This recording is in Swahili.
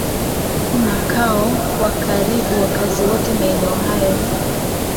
ni makao kwa karibu wakazi wote Maeneo haya ni